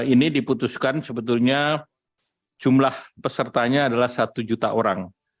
ini diputuskan sebetulnya jumlah pesertanya adalah satu juta orang